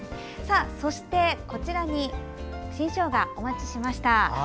そして、こちらに新しょうがお持ちしました。